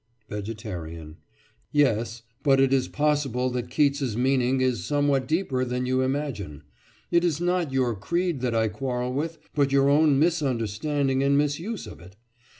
VEGETARIAN: Yes, but it is possible that Keats's meaning is somewhat deeper than you imagine. It is not your creed that I quarrel with, but your own misunderstanding and misuse of it.